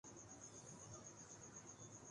، تو پھر کس اچھے وقت کی امید رکھی جا سکتی ہے ۔